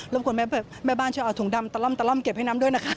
รบควรแม่บ้านช่วยเอาถุงดำตะล่ำเก็บให้นำด้วยนะคะ